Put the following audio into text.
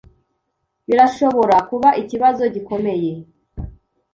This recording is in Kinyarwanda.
Birashobora kuba ikibazo gikomeye.